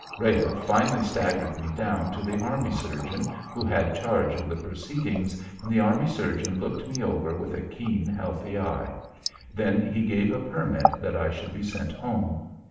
Rhea finally staggered me down to the army surgeon who had charge of the proceedings, and the army surgeon looked me over with a keen healthy eye. Then he gave a permit that I should be sent home.